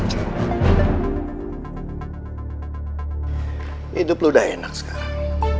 hidupmu sudah enak sekarang